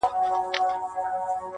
o ه ولي په زاړه درد کي پایماله یې.